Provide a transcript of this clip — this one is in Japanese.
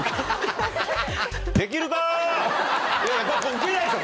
ウケないでしょ